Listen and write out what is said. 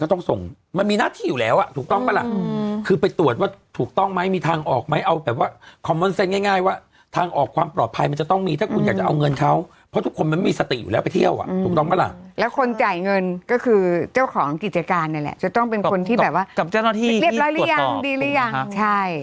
ต้องส่งมันมีหน้าที่อยู่แล้วอ่ะถูกต้องปะละคือไปตรวจว่าถูกต้องไหมมีทางออกไหมเอาแบบว่าคอมมันเซ็นต์ง่ายว่าทางออกความปลอดภัยมันจะต้องมีถ้าคุณอยากจะเอาเงินเท้าเพราะทุกคนมันมีสติอยู่แล้วไปเที่ยวอ่ะถูกต้องปะละแล้วคนจ่ายเงินก็คือเจ้าของกิจการนั่นแหละจะต้องเป็นคนที่แบบว่า